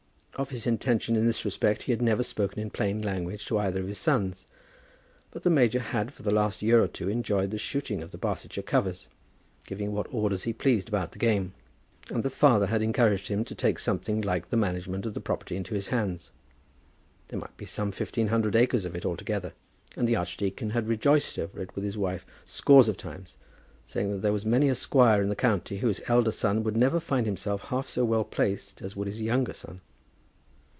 Of his intention in this respect he had never spoken in plain language to either of his sons; but the major had for the last year or two enjoyed the shooting of the Barsetshire covers, giving what orders he pleased about the game; and the father had encouraged him to take something like the management of the property into his hands. There might be some fifteen hundred acres of it altogether, and the archdeacon had rejoiced over it with his wife scores of times, saying that there was many a squire in the county whose elder son would never find himself half so well placed as would his own younger son.